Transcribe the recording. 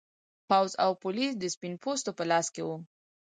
پوځ او پولیس د سپین پوستو په لاس کې و.